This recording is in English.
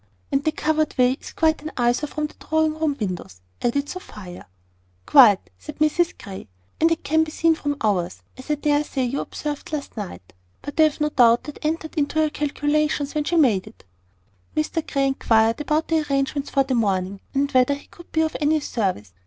"And the covered way is quite an eyesore from the drawing room windows," added Sophia. "Quite," said Mrs Grey; "and it can be seen from ours, as I dare say you observed last night. But I have no doubt that entered into her calculations when she had it made." Mr Grey inquired about the arrangements for the morning, and whether he could be of any service.